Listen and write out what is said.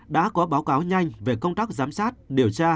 đã có báo cáo nhanh về công tác giám sát điều tra